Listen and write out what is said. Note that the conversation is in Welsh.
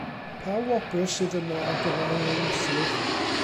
Pa wobr sydd yna ar gyfer yr enillydd?